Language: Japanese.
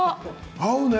合うね！